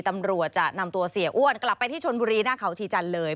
ตำรวจจะนำตัวเสียอ้วนกลับไปที่ชนบุรีหน้าเขาชีจันทร์เลย